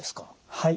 はい。